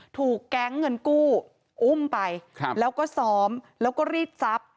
ถูกแก๊งเงินกู้อุ้มไปแล้วก็ซ้อมแล้วก็รีดทรัพย์